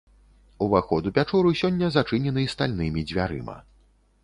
Уваход у пячору сёння зачынены стальнымі дзвярыма.